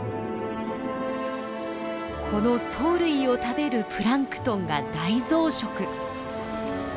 この藻類を食べるプランクトンが大増殖。